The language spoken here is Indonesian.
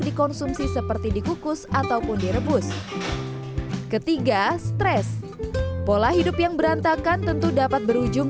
dikonsumsi seperti dikukus ataupun direbus ketiga stres pola hidup yang berantakan tentu dapat berujung